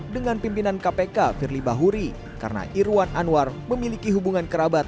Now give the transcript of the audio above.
dengan pimpinan kpk firly bahuri karena irwan anwar memiliki hubungan kerabat